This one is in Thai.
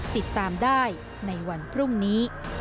ติดตามได้ในวันพรุ่งนี้